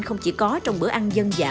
không chỉ có trong bữa ăn dân dạ